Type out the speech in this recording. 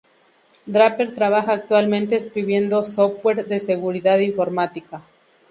Draper trabaja actualmente escribiendo software de seguridad informática.